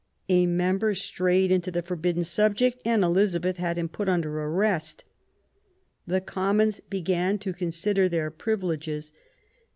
A member strayed into the forbidden subject, and Elizabeth had him put under arrest. The Commons began to consider their privileges.